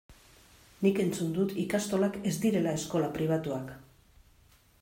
Nik entzun dut ikastolak ez direla eskola pribatuak.